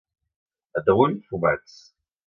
A Taüll, fumats.